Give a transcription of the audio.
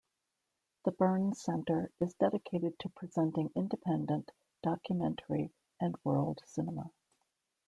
The Burns Center is dedicated to presenting independent, documentary, and world cinema.